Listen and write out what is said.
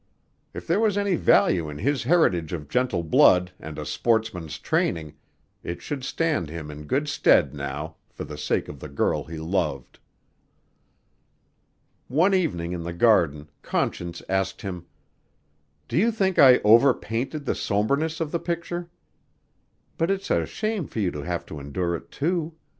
If there was any value in his heritage of gentle blood and a sportsman's training, it should stand him in good stead now, for the sake of the girl he loved. One evening in the garden Conscience asked him, "Do you think I over painted the somberness of the picture? But it's a shame for you to have to endure it, too.